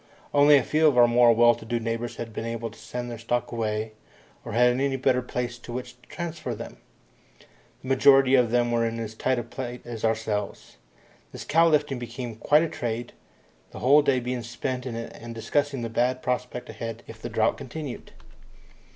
Only a few of our more well to do neighbours had been able to send their stock away, or had any better place to which to transfer them. The majority of them were in as tight a plight as ourselves. This cow lifting became quite a trade, the whole day being spent in it and in discussing the bad prospect ahead if the drought continued.